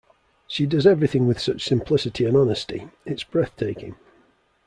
She does everything with such simplicity and honesty, it's breathtaking.